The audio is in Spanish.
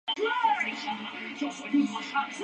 Esta separado y es padre de Marcos y Santino Sosa.